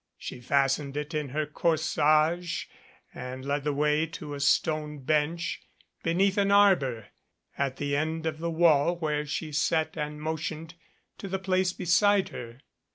She fastened it in her corsage and led the way to a stone bench beneath an arbor at the end of the wall where she sat and motioned to the place be side her.